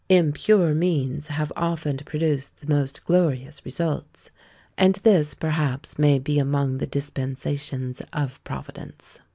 Impure means have often produced the most glorious results; and this, perhaps, may be among the dispensations of Providence.